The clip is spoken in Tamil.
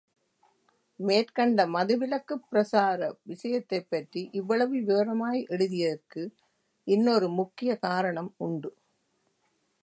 மேற்கண்ட மது விலக்குப் பிரசார விஷயத்தைப் பற்றி இவ்வளவு விவரமாய் எழுதியதற்கு இன்னொரு முக்கியக் காரணம் உண்டு.